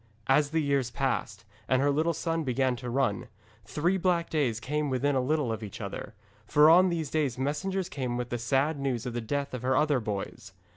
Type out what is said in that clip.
As the years passed, and her little son began to run, three black days came within a little of each other, for on these days messengers came with the sad news of the death of her other boys.